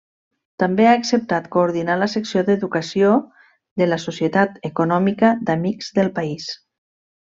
També ha acceptat coordinar la secció d'educació de la Societat Econòmica d'Amics del País.